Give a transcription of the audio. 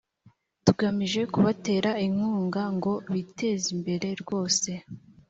tugamije kubatera inkunga ngo bitezimbere rwose.